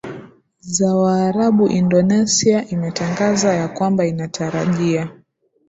za Waarabu Indonesia imetangaza ya kwamba inatarajia